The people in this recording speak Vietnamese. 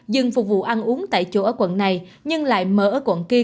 dừng phục vụ ăn uống tại chỗ ở quận này nhưng lại mở ở quận chín